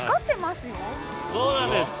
そうなんです。